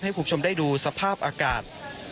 ให้คุณผู้ชมได้ดูสภาพอากาศ